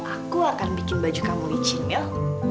aku akan bikin baju kamu licin miel